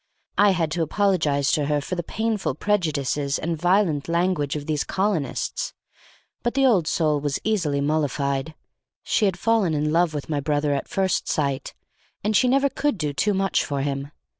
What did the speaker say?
I had to apologize to her for the painful prejudices and violent language of "these colonists," but the old soul was easily mollified. She had fallen in love with my brother at first sight, and she never could do too much for him.